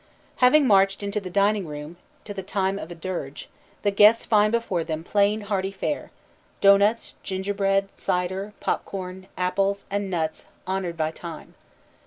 Having marched to the dining room to the time of a dirge, the guests find before them plain, hearty fare; doughnuts, gingerbread, cider, popcorn, apples, and nuts honored by time.